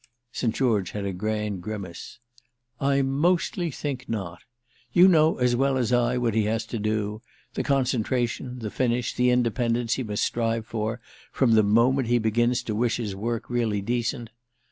St. George had a grand grimace. "I mostly think not. You know as well as I what he has to do: the concentration, the finish, the independence he must strive for from the moment he begins to wish his work really decent.